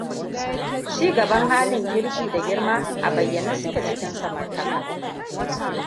Ci gaban halin kirki da girma a bayyane suke cikin samartaka.